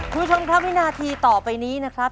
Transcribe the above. คุณผู้ชมครับวินาทีต่อไปนี้นะครับ